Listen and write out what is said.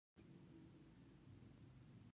په نولس سوه شپېته مه لسیزه کې پېچلو جوړښتونو بدتر کړل.